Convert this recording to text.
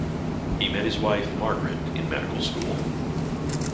He met his wife, Margaret, in medical school.